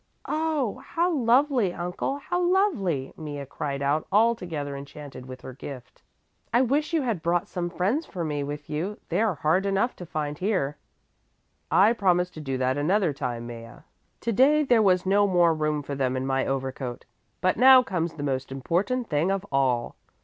"Oh, how lovely, uncle, how lovely!" Mea cried out, altogether enchanted with her gift. "I wish you had brought some friends for me with you; they are hard enough to find here." "I promise to do that another time, Mea. To day there was no more room for them in my overcoat. But now comes the most important thing of all!"